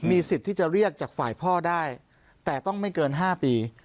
สิทธิ์ที่จะเรียกจากฝ่ายพ่อได้แต่ต้องไม่เกิน๕ปี